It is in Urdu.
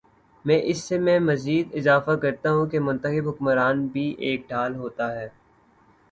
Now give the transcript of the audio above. میں اس میں مزید اضافہ کرتا ہوں کہ منتخب حکمران بھی ایک ڈھال ہوتا ہے۔